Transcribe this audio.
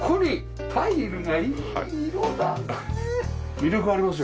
魅力ありますよ